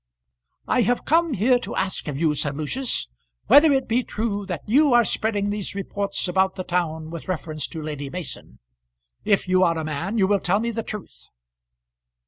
"I have come here to ask of you," said Lucius, "whether it be true that you are spreading these reports about the town with reference to Lady Mason. If you are a man you will tell me the truth."